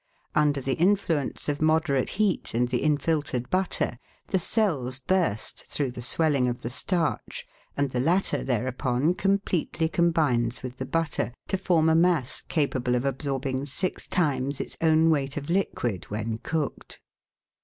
Under the influence of moderate heat and the infiltered butter, the cells burst through the swelling of the starch, and the latter thereupon completely combines with the butter to form a mass capable of absorbing six times its own weight of liquid when cooked.